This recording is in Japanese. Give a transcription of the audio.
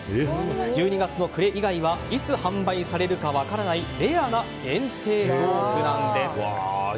１２月の暮れ以外はいつ販売されるか分からないレアな限定豆腐なんです。